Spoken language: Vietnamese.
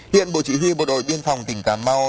hiện bộ chỉ huy bộ đội biên phòng tỉnh cà mau